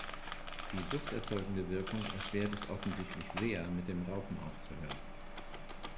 Die suchterzeugende Wirkung erschwert es offensichtlich sehr, mit dem Rauchen aufzuhören.